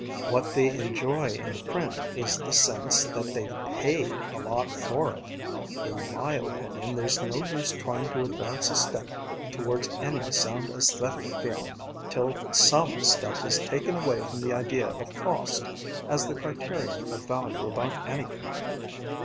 What they enjoy in the print is the sense that they've paid a lot for it. In my opinion, there's no use trying to advance a step towards any sound aesthetic feeling till some step is taken away from the idea of cost as the criterion of value about anything."